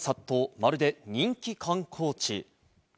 まるで人気観光地。